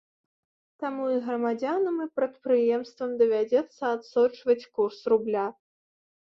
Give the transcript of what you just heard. Таму і грамадзянам і прадпрыемствам давядзецца адсочваць курс рубля.